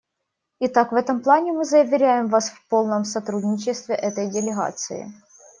Итак, в этом плане мы заверяем Вас в полном сотрудничестве этой делегации.